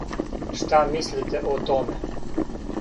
Шта мислите о томе?